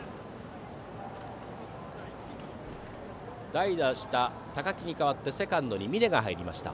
代打した高木に代わってセカンドに峯が入りました。